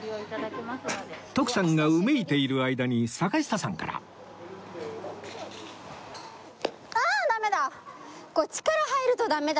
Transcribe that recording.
徳さんがうめいている間に坂下さんからああーダメだ！